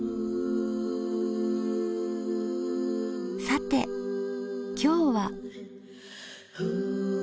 さて今日は。